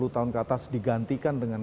tiga puluh tahun ke atas digantikan dengan